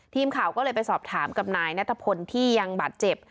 ทีมข่าวก็เลยไปสอบถามกับนายนัทพลที่ยังบาดเจ็บ